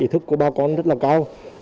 ý thức của bà con rất là cao